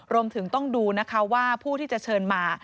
รวมถึงต้องดูนะคะว่าผู้ที่จะเชิญมา